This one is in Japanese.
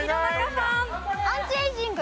アンチエイジング。